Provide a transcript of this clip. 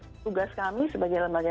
oke tugas kami sebagai lembaga negara